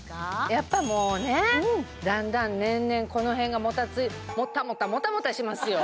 やっぱもうねだんだん年々この辺がもたついもたもたもたもたしますよ